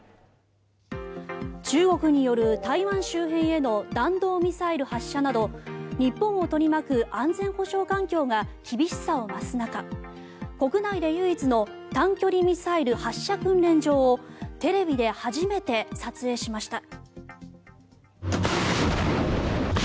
中国による台湾周辺への弾道ミサイル発射など日本を取り巻く安全保障環境が厳しさを増す中国内で唯一の短距離ミサイル発射訓練場をテレビで初めて撮影しました。